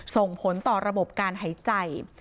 ส่งผลต่อระบบการหายใจ